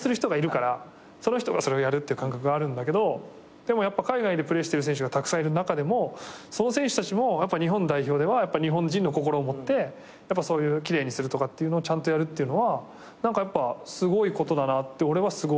でも海外でプレーしてる選手がたくさんいる中でもその選手たちも日本代表では日本人の心を持ってそういう奇麗にするとかちゃんとやるっていうのは何かやっぱすごいことだなって俺は思う。